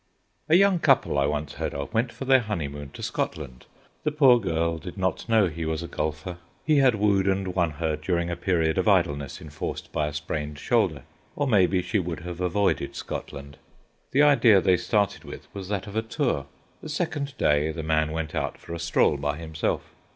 A young couple, I once heard of, went for their honeymoon to Scotland. The poor girl did not know he was a golfer (he had wooed and won her during a period of idleness enforced by a sprained shoulder), or maybe she would have avoided Scotland. The idea they started with was that of a tour. The second day the man went out for a stroll by himself.